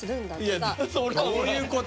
どういうこと？